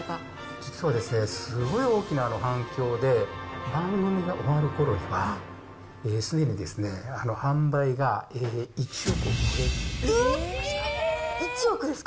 実はすごい大きな反響で、番組が終わるころには、すでに１億ですか？